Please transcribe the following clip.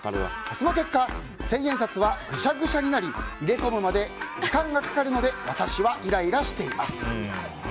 その結果、千円札はぐしゃぐしゃになり入れ込むまで、時間がかかるので私はイライラしています。